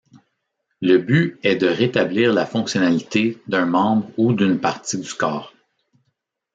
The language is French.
Le but est de rétablir la fonctionnalité d’un membre ou d’une partie du corps.